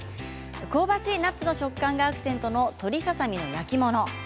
香ばしいナッツの食感がアクセントの鶏ささ身の焼き物。